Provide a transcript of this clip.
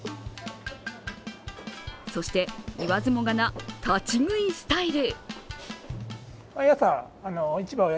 そして、言わずもがな立ち食いスタイル。